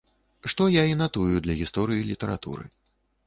Што я і натую для гісторыі літаратуры.